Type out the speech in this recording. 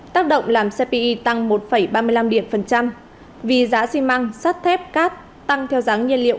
tác động làm cpi tăng một ba mươi năm điểm phần trăm vì giá xi măng sắt thép cát tăng theo giá nhiên liệu